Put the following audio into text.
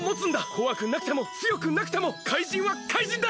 こわくなくてもつよくなくても怪人は怪人だ！